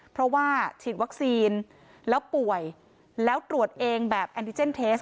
เพราะว่าฉีดวัคซีนแล้วป่วยแล้วตรวจเองแบบแอนติเจนเทส